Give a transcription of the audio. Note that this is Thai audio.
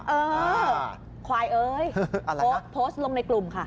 เออควายเอ้ยโพสต์ลงในกลุ่มค่ะ